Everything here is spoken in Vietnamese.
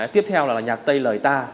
tiếp theo là nhạc tây lời ta